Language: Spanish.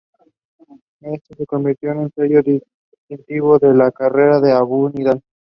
Este se convirtió en un sello distintivo de la carrera de Abu Nidal.